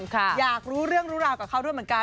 อยากรู้เรื่องรู้ราวกับเขาด้วยเหมือนกัน